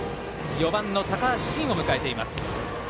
４番の高橋慎を迎えています。